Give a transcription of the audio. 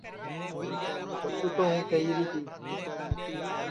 چکُو تو ہوں کیہری تی